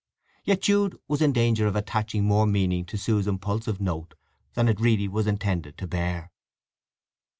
Yet Jude was in danger of attaching more meaning to Sue's impulsive note than it really was intended to bear.